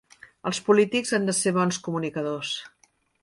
Els polítics han de ser bons comunicadors.